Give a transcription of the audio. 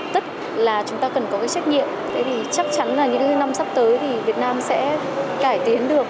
tức là chúng ta cần có cái trách nhiệm thì chắc chắn là những năm sắp tới thì việt nam sẽ cải tiến được